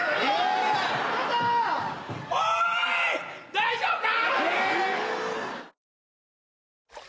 大丈夫か？